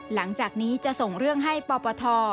หลังจากนี้จะส่งเรื่องให้ปปท